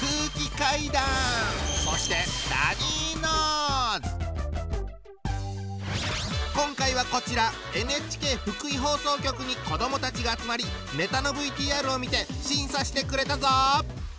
そして今回はこちらＮＨＫ福井放送局に子どもたちが集まりネタのＶＴＲを見て審査してくれたぞ！